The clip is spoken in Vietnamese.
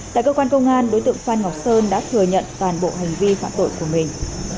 tại cơ quan công an đối tượng phan ngọc sơn đã thừa nhận toàn bộ hành vi phạm tội của mình